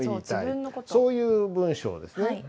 そういう文章ですね。